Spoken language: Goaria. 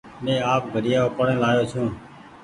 مينٚ آپ گھڙيآ اُپآڙين لآيو ڇوٚنٚ